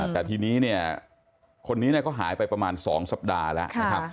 แต่ทีนี้คนนี้ก็หายไปประมาณ๒สัปดาห์แล้ว